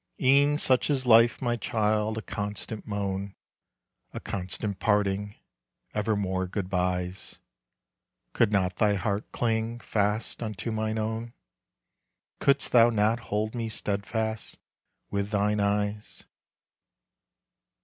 E'en such is life, my child, a constant moan A constant parting, evermore good byes, Could not thy heart cling fast unto mine own? Couldst thou not hold me steadfast with thine eyes?